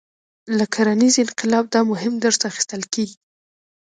له کرنیز انقلاب دا مهم درس اخیستل کېږي.